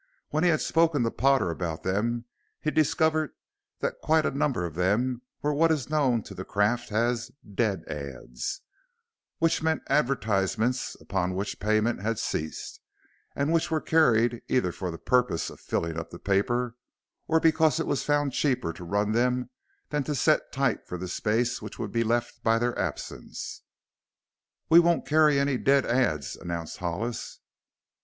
When he had spoken to Potter about them he discovered that quite a number of them were what is known to the craft as "dead ads" which meant advertisements upon which payment had ceased and which were carried either for the purpose of filling up the paper or because it was found cheaper to run them than to set type for the space which would be left by their absence. "We won't carry any dead ads!" announced Hollis.